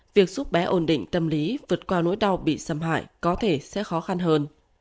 việc giúp bé ổn định tâm lý vượt qua nỗi đau bị xâm hại có thể sẽ khó khăn hơn